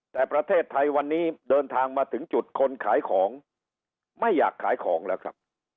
แต่ประเทศไทยวันนี้เดินทางมาถึงจุดคนขายของไม่อยากขายของแล้วครับ